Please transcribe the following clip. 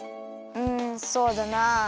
うんそうだな。